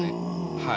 はい。